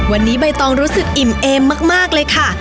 วันนี้ใบตองรู้สึกอิ่มเอมมากเลยค่ะ